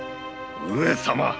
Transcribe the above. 上様！